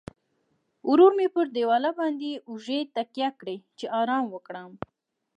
ورو مې پر دیواله باندې اوږې تکیه کړې، چې ارام وکړم.